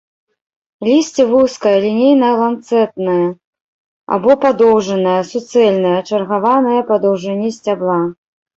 Лісце вузкае, лінейна-ланцэтнае або падоўжанае, суцэльнае, чаргаванае па даўжыні сцябла.